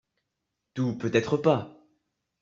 Tout, peut-être pas